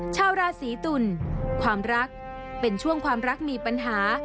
ชาวราศีตุลความรักเป็นช่วงความรักมีปัญหา